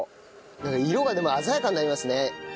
なんか色がでも鮮やかになりますね。